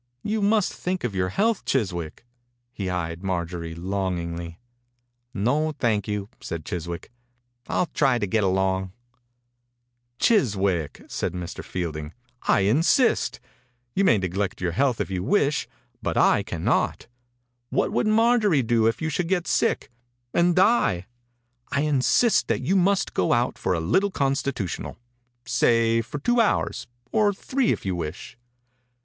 You must think of your health, Chiswick." He eyed Marjorie longingly. « No, thank you," said Chis wick. "I'll try to get along." « Chiswick 1" said Mr. Field 8i THE INCUBATOR BABY ing. «I insist. You may neg lect your health if you wish, but I cannot. What would Mar jorie do if you should get sick — and die? I insist that you must go out for a little consti tutional. Say for two hours, or three, if you wish."